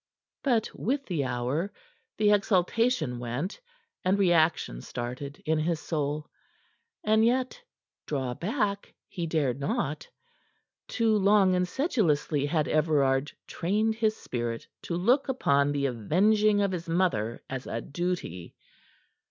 But with the hour, the exaltation went, and reaction started in his soul. And yet draw back he dared not; too long and sedulously had Everard trained his spirit to look upon the avenging of his mother as a duty.